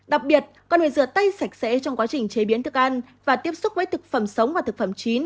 đặc biệt con người rửa tay sạch sẽ trong quá trình chế biến thức ăn và tiếp xúc với thực phẩm sống và thực phẩm chín